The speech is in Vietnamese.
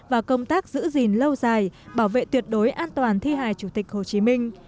và công tác giữ gìn lâu dài bảo vệ tuyệt đối an toàn thi hài chủ tịch hồ chí minh